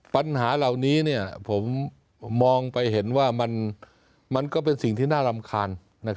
ปัญหาเหล่านี้ผมมองไปเห็นว่ามันก็เป็นสิ่งที่น่ารำคาญ